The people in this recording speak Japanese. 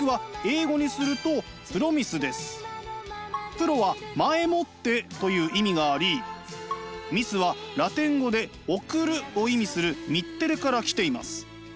「Ｐｒｏ」は「前もって」という意味があり「ｍｉｓｅ」はラテン語で「送る」を意味する「ｍｉｔｔｅｒｅ」から来ています。